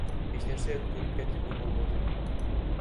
Эч нерсе өткөрүп кетүүгө болбоду.